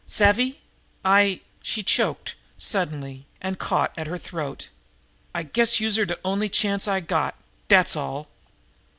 Savvy? I" she choked suddenly, and caught at her throat "I guess youse're de only chance I got dat's all."